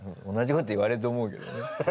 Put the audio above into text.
同じこと言われると思うけどね。